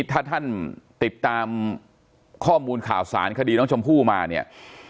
ถ้าท่านติดตามข้อมูลข่าวสารคดีน้องชมพู่มาเนี่ย